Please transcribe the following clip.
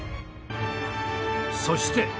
そして。